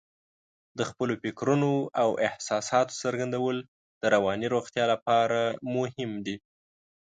د خپلو فکرونو او احساساتو څرګندول د رواني روغتیا لپاره مهم دي.